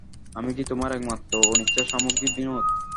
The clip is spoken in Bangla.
আমিই কি তোমার একমাত্র অনিচ্ছার সামগ্রী, বিনোদ!